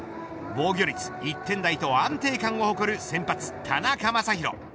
防御率１点台と安定感を誇る先発、田中将大。